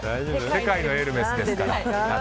世界のエルメスですから。